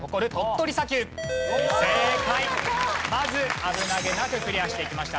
まず危なげなくクリアしていきました。